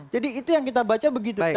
jadi itu yang kita baca begitu